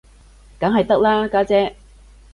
梗係得啦，家姐